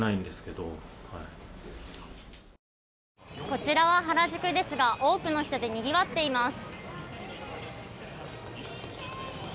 こちらは原宿ですが多くの人でにぎわっています。